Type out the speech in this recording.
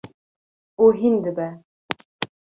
û hîn dibe.